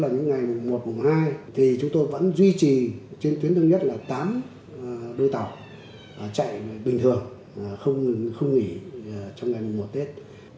mùa một mùa hai thì chúng tôi vẫn duy trì trên tuyến thương nhất là tám đôi tàu chạy bình thường không nghỉ trong ngày mùa tết